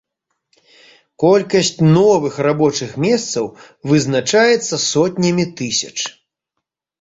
Колькасць новых рабочых месцаў вызначаецца сотнямі тысяч.